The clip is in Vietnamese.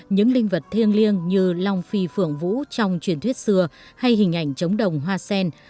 những linh vật thiêng liêng như lòng phi phưởng vũ trong truyền thuyết xưa hay hình ảnh trống đồng hoa sen